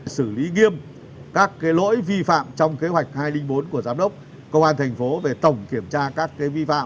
xử lý nghiêm các lỗi vi phạm trong kế hoạch hai trăm linh bốn của giám đốc công an thành phố về tổng kiểm tra các vi phạm